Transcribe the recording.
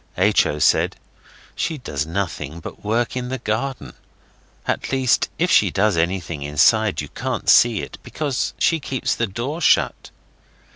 H. O. said, 'She does nothing but work in the garden. At least if she does anything inside you can't see it, because she keeps the door shut.